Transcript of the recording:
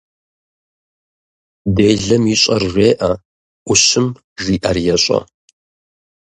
Делэм ищӏэр жеӏэ, ӏущым жиӏэр ещӏэ.